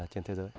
trên thế giới